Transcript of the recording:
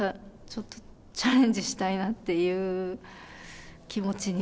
ちょっとチャレンジしたいなっていう気持ちになってしまって。